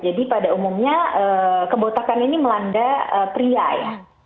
jadi pada umumnya kebotakan ini melanda pria ya